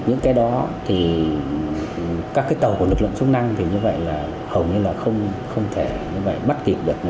những cái đó thì các cái tàu của lực lượng chức năng thì như vậy là hầu như là không thể như vậy bắt kịp được